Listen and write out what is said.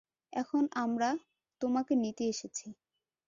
এখন আমরা তোমাকে নিতে এসেছি।